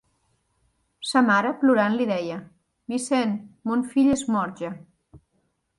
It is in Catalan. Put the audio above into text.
Sa mare, plorant li deia: «Vicent, mon fill és mort ja!»